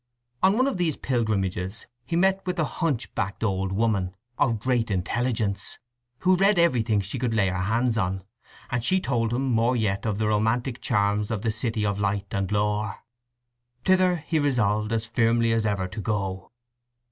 On one of these pilgrimages he met with a hunch backed old woman of great intelligence, who read everything she could lay her hands on, and she told him more yet of the romantic charms of the city of light and lore. Thither he resolved as firmly as ever to go.